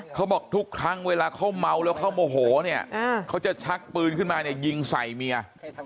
เขาบอกทุกครั้งเวลาเขาเมาแล้วเขาโมโหเนี่ยเขาจะชักปืนขึ้นมาเนี่ยยิงใส่เมีย